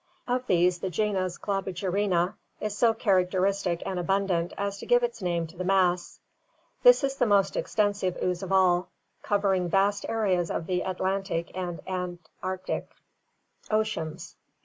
Of these the genus Globigerina is so characteristic and abundant as to give its name to the mass. This is the most exten sive ooze of all, covering vast areas of the Atlantic and Antarctic oceans.